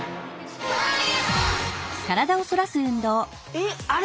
えっあれ